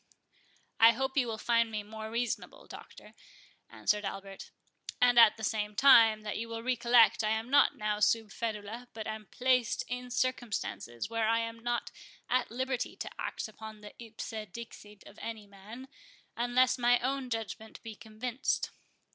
"I hope you will find me more reasonable, Doctor," answered Albert; "and at the same time, that you will recollect I am not now sub ferula, but am placed in circumstances where I am not at liberty to act upon the ipse dixit of any man, unless my own judgment be convinced.